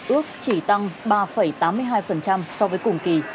ước chỉ tăng ba tám mươi hai so với cùng kỳ